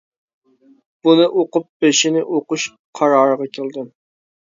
بۇنى ئوقۇپ بېشىنى ئوقۇش قارارىغا كەلدىم.